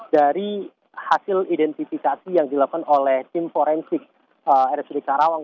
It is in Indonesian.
dari hasil identifikasi yang dilakukan oleh tim forensik rsud karawang